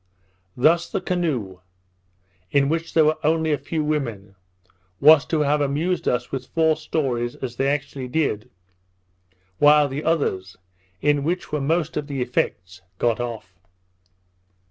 Thus the canoe, in which were only a few women, was to have amused us with false stories as they actually did, while the others, in which were most of the effects, got off.